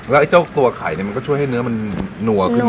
แล้วไอ้เจ้าตัวไข่มันก็ช่วยให้เนื้อมันนัวขึ้นมา